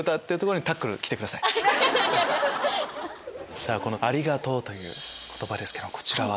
さぁこの「ありがとう」という言葉ですけどもこちらは？